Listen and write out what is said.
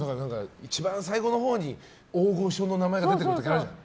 一番最後のほうに大御所の名前が出てくる時あるじゃん。